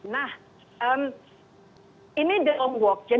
nah ini di home walk